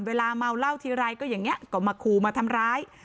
เวลาเมาเหล้าทีไรก็อย่างนี้ก็มาขู่มาทำร้าย